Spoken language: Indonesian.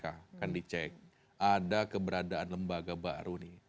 akan dicek ada keberadaan lembaga baru nih